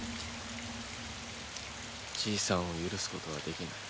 じいさんを許すことはできない。